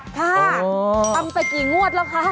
ตั้งแต่กี่งวดแล้วคะ